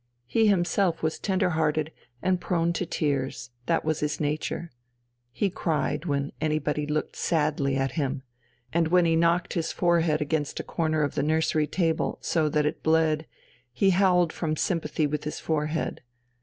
He himself was tender hearted and prone to tears, that was his nature. He cried, when anybody "looked sadly" at him, and when he knocked his forehead against a corner of the nursery table, so that it bled, he howled from sympathy with his forehead.